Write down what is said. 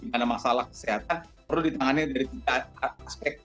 karena masalah kesehatan perlu ditangani dari tiga aspek